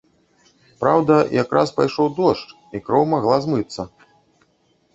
Праўда, якраз пайшоў дождж, і кроў магла змыцца.